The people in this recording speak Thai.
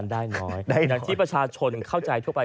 ได้น้อยอย่างที่ประชาชนเข้าใจทั่วไป